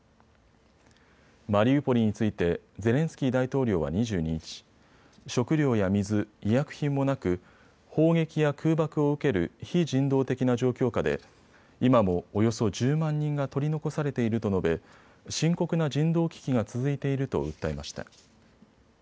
マリウポリについてゼレンスキー大統領は２２日、食料や水、医薬品もなく砲撃や空爆を受ける非人道的な状況下で今もおよそ１０万人が取り残されていると述べ深刻な人道危機が続いていると訴えました。